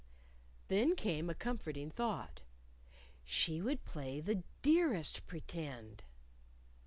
Then came a comforting thought: She would play the Dearest Pretend!